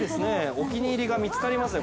お気に入りが見つかりますよ。